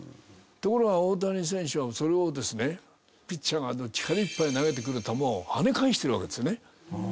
ところが大谷選手はそれをですねピッチャーが力いっぱい投げてくる球を跳ね返してるわけですよね。